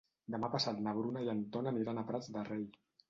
Demà passat na Bruna i en Ton aniran als Prats de Rei.